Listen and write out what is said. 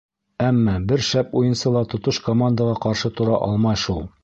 Әммә бер шәп уйынсы ла тотош командаға ҡаршы тора алмай шул.